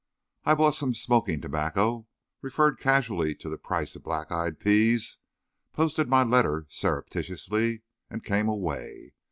I bought some smoking tobacco, referred casually to the price of black eyed peas, posted my letter surreptitiously and came away.